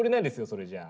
それじゃあ。